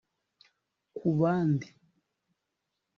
kubandi